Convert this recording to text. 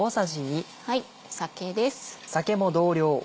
酒です。